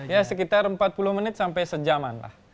ya sekitar empat puluh menit sampai sejaman lah